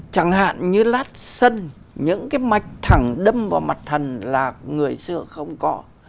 chẳng hạn như lát sân những cái mạch thẳng đâm vào mặt thần là người xưa không có